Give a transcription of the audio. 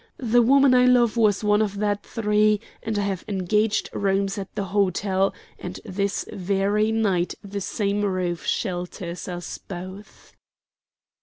The woman I love was one of that three, and I have engaged rooms at the hotel, and this very night the same roof shelters us both."